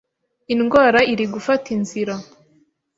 Indwara iri gufata inzira.